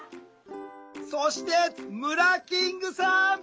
そしてムラキングさん！